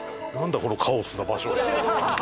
このカオスな場所。